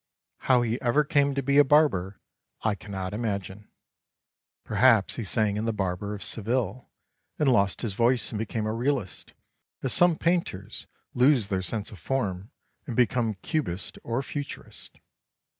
How he ever came to be a barber, I cannot imagine. Perhaps he sang in the Barber of Seville and lost his voice and became a realist, as some painters lose their sense of form and become cubists or futurists.